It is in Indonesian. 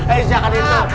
eh jangan itu